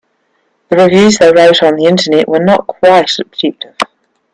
The reviews they wrote on the Internet were not quite objective.